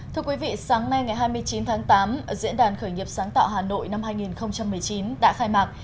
thưa quý vị sáng nay ngày hai mươi chín tháng tám diễn đàn khởi nghiệp sáng tạo hà nội năm hai nghìn một mươi chín đã khai mạc